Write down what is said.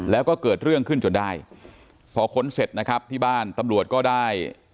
แล้วก็เกิดเรื่องขึ้นจนได้พอค้นเสร็จนะครับที่บ้านตำรวจก็ได้